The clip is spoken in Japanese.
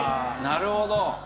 「なるほど」